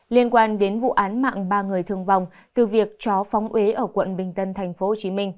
liên quan đến vụ án mạng ba người thương vong từ việc chó phóng ế ở quận bình tân tp hcm